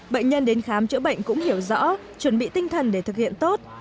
bệnh nhân đến khám chữa bệnh cũng hiểu rõ chuẩn bị tinh thần để thực hiện tốt